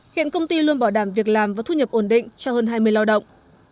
hiện công ty luôn bảo đảm việc làm và thu nhập ổn định cho hơn hai mươi lao động